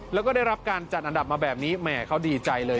แล้วก็ได้รับการจัดอันดับมาแบบนี้แหมเขาดีใจเลย